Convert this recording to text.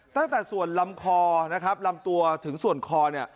ตั้งแต่ส่วนลำคอนะครับลำตัวถึงส่วนคอเนี่ย